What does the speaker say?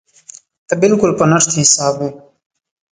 ته بالکل په نشت حساب وې.